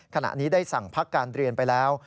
ขณะนี้ได้สั่งพักการเรียนไปแล้ว